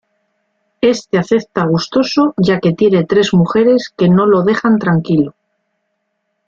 Este acepta gustoso ya que tiene tres mujeres que no lo dejan tranquilo.